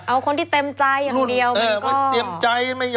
เอาคนที่เต็มใจอย่างเดียว